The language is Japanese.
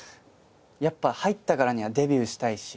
やっぱ入ったからにはデビューしたいし。